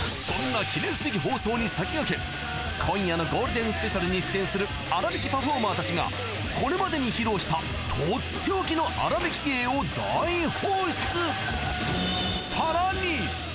そんな記念すべき放送に先駆け今夜のゴールデンスペシャルに出演するあらびきパフォーマーたちがこれまでに披露したとっておきのあらびき芸を大放出！